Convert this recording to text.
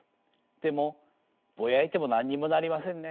でもぼやいても何にもなりませんね。